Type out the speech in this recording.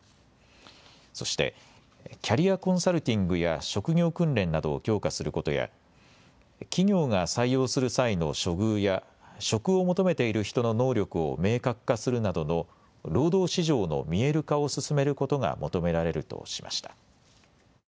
そしてキャリアコンサルティングや職業訓練などを強化することや企業が採用する際の処遇や職を求めている人の能力を明確化するなどの労働市場の見える化を進めることが求められるとしました。